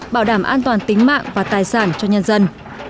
bảo đảm an toàn tính mạng và tài sản cho nhân dân